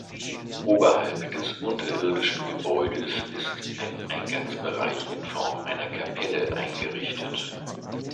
Oberhalb des unterirdischen Gebäudes ist ein Eingangsbereich in Form einer Kapelle eingerichtet.